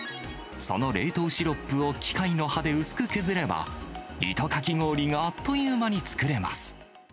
その冷凍シロップを機械の刃で薄く削れば、糸かき氷があっという間に作れます。